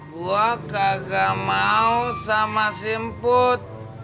gue kagak mau sama si emput